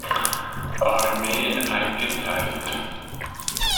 Armee“ eingeteilt.